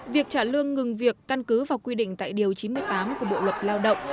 việc trả lương ngừng việc căn cứ vào quy định tại điều chín mươi tám của bộ luật lao động